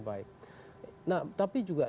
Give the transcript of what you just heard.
baik nah tapi juga